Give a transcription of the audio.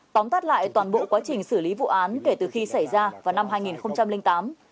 tóm tắt lại toàn bộ quá trình xử lý vụ án kể từ khi xảy ra vào năm hai nghìn tám